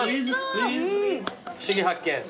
『ふしぎ発見！』